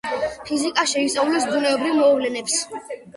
ფიზიკა შეისწავლის ბუნებრივ მოვლენებს